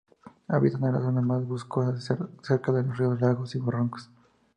Habitan en las zonas más boscosas, cerca de los ríos, lagos y arroyos.